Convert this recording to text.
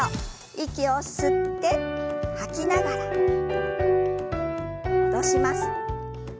息を吸って吐きながら戻します。